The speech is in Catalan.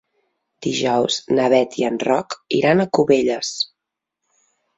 Dijous na Bet i en Roc iran a Cubelles.